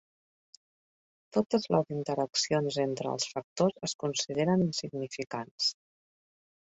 Totes les interaccions entre els factors es consideren insignificants.